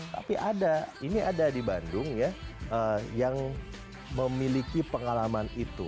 tapi ada ini ada di bandung ya yang memiliki pengalaman itu